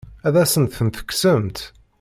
Ad asen-ten-tekksemt?